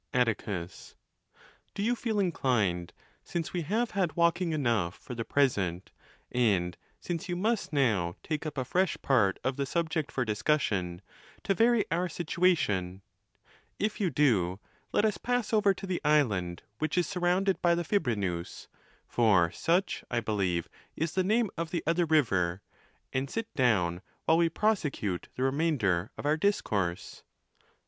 I. Atticus.—Do you feel inclined, since we have had walking enough for the present, and since you must now take up a fresh part of the subject for discussion, to vary our situation ; if you do, let us pass over to the island which is surrounded by the Fibrenus,—for such, I believe, is the name of the other river,—and sit down, while we prosecute the remainder of our discourse